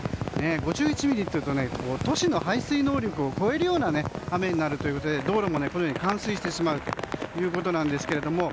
５１ミリというと都市の排水能力を超える雨になるということで道路も冠水してしまうということなんですけれども。